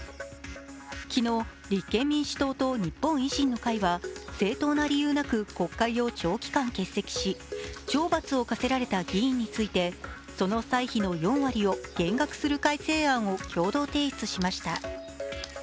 昨日、立憲民主党と日本維新の会は正当な理由なく国会を長期欠席し懲罰を科せられた議員についてその歳費の４割を減額する改正案を共同提出しました。